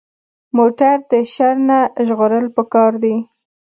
موټر د شر نه ژغورل پکار دي.